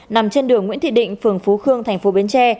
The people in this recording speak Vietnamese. nằm trên đường nguyễn thị định phường phú khương thành phố bến tre